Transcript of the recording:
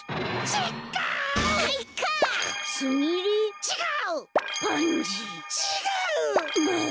ちがう！